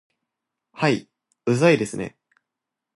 はい、うざいですね